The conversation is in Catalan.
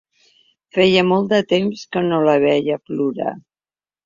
Feia molt de temps que no la veia plorar.